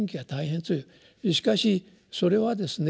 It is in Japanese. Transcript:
しかしそれはですね